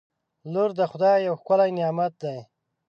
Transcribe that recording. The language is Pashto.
• لور د خدای یو ښکلی نعمت دی.